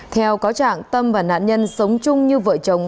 theo cáo trạng tâm và nạn nhân sống chung như vợ chồng